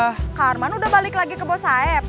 pak arman udah balik lagi ke bos saeb